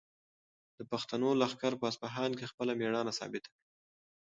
د پښتنو لښکر په اصفهان کې خپله مېړانه ثابته کړه.